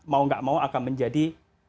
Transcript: mau gak mau akan menjadi